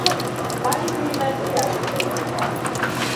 ვაკის დიდი ნაწილი ათვისებულია.